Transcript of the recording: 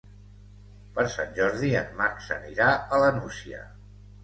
Per Sant Jordi en Max anirà a la Nucia.